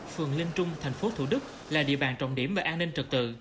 phường linh trung thành phố thủ đức là địa bàn trọng điểm về an ninh trật tự